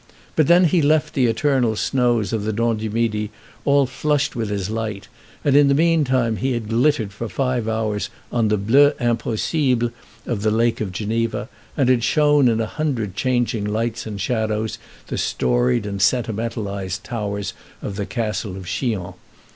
But then he left the eternal snows of the Dent du Midi all flushed with his light, and in the mean time he had glittered for five hours on the "bleu impossible" of the Lake of Geneva, and had shown in a hundred changing lights and shadows the storied and sentimentalized towers of the Castle of Chillon.